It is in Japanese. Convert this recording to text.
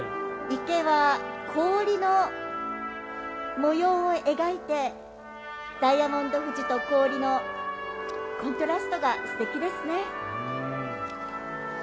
池は氷の模様を描いてダイヤモンド富士と氷のコントラストが素敵ですね。